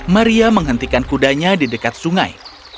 maria menghentikan kudanya di dekat sungai